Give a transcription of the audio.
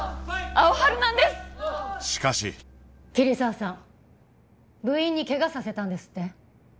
しかし桐沢さん部員に怪我させたんですって？